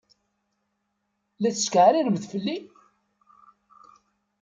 La tetkeɛriremt fell-i?